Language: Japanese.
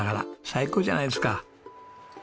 最高じゃないですか！